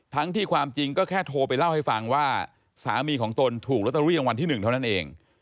ที่ความจริงก็แค่โทรไปเล่าให้ฟังว่าสามีของตนถูกลอตเตอรี่รางวัลที่๑เท่านั้นเอง